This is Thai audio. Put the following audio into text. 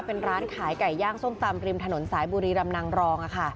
เป็นร้านขายไก่ย่างส้มตำริมถนนสายบุรีรำนางรอง